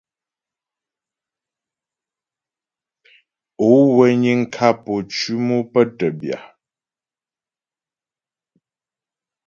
Ó wə́ niŋ kap ô cʉm o pə́ tə́ bya.